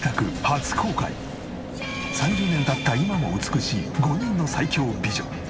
３０年経った今も美しい５人の最強美女。